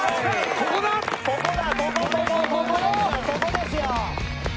ここですよ！